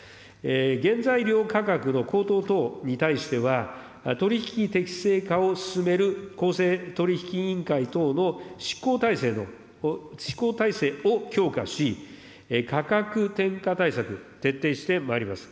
原材料価格の高騰等に対しては、取り引き適正化を進める公正取引委員会等の執行体制を強化し、価格転嫁対策、徹底してまいります。